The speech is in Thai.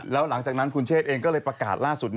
แล้วหลังจากนั้นคุณเชษเองก็เลยประกาศล่าสุด